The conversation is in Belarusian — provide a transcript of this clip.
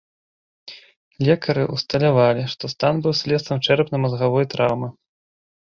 Лекары ўсталявалі, што стан быў следствам чэрапна-мазгавой траўмы.